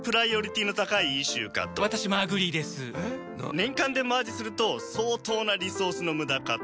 年間でマージすると相当なリソースの無駄かと。